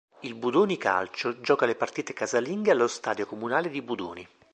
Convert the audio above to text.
Il Budoni Calcio gioca le partite casalinghe allo stadio Comunale di Budoni.